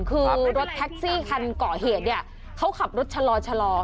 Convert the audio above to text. คือรถแท็กซี่คันเกาะเหตุเขาขับรถชะลอ